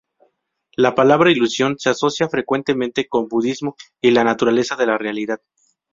La palabra 'ilusión' se asocia frecuentemente con budismo y la naturaleza de la realidad.